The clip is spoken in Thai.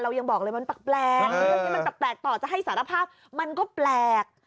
เรายังบอกเลยมันแปลกต่อจะให้สารภาพมันก็แปลก